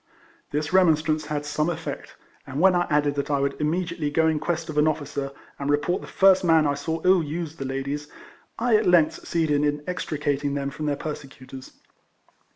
This remonstrance had some effect; and when I added that I would immediately go in quest of an officer, and report the first man I saw ill use the ladies, I at length succeeded in extricating them from their persecutors.